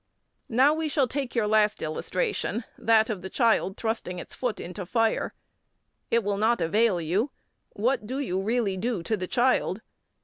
Now we shall take your last illustration, that of the child thrusting its foot into fire. It will not avail you. What do you really do to the child?